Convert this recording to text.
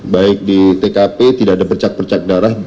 baik di tkp tidak ada percak percak darah